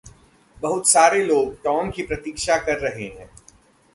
बहुत सारे लोग टॉम की प्रतीक्षा कर रहे हैं।